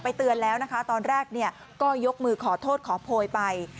เตือนแล้วนะคะตอนแรกเนี่ยก็ยกมือขอโทษขอโพยไป